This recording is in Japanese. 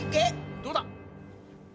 どうだ！